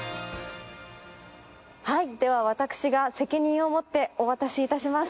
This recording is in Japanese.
では、私が責任を持ってお渡しいたします。